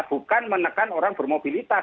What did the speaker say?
bukan menekan orang bermobilitas